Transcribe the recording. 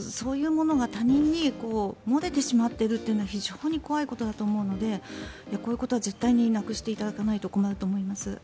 そういうものが他人に漏れてしまっているというのは非常に怖いことだと思うのでこういうことは絶対になくしていただかないと困ると思います。